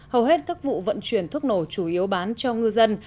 hầu hết các vụ vận chuyển thuốc nổ chủ yếu bán cho ngư dân